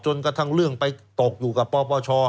กระทั่งเรื่องไปตกอยู่กับปปช